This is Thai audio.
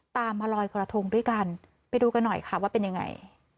มาลอยกระทงด้วยกันไปดูกันหน่อยค่ะว่าเป็นยังไง